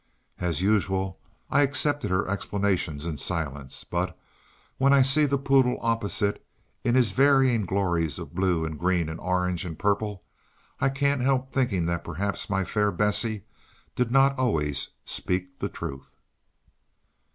As usual, I accepted her explanations in silence; but, when I see the poodle opposite, in his varying glories of blue, and green, and orange, and purple, I can't help thinking that perhaps my fair Bessie did not always speak the truth.